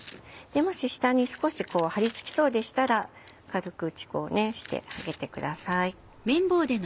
もし下に少しこう張りつきそうでしたら軽く打ち粉をしてあげてください。